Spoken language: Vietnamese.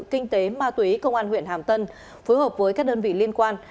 kinh tế ma túy công an huyện hàm tân phối hợp với các đơn vị liên quan